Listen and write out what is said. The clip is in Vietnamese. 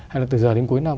hay là từ giờ đến cuối năm